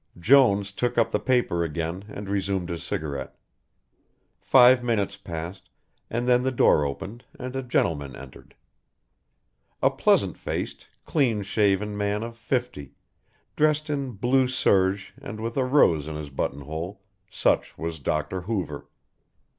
Jones took up the paper again and resumed his cigarette. Five minutes passed and then the door opened and a gentleman entered. A pleasant faced, clean shaven man of fifty, dressed in blue serge and with a rose in his button hole, such was Doctor Hoover.